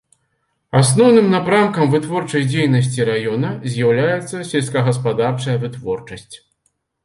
Асноўным напрамкам вытворчай дзейнасці раёна з'яўляецца сельскагаспадарчая вытворчасць.